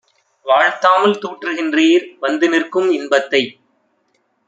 வாழ்த்தாமல் தூற்றுகின்றீர் வந்துநிற்கும் இன்பத்தை!